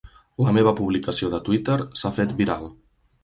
La meva publicació de Twitter s'ha fet viral.